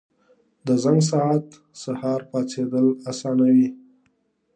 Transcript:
• د زنګ ساعت سهار پاڅېدل اسانوي.